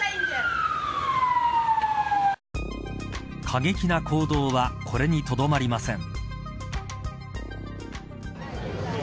過激な行動はこれにとどまりません。